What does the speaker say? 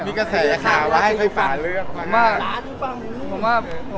มีกระแสขาว่าให้คุณป่าเลือก